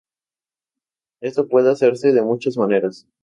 Esto puede hacerse de muchas maneras.